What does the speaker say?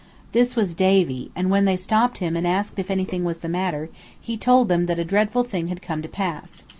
This was Davy; and when they stopped him and asked if anything was the matter he told them that a dreadful thing had come to pass.